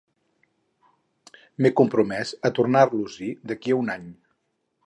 M'he compromès a tornar-los-hi d'aquí a un any.